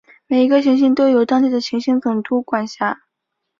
每一个行星都由当地的行星总督管辖。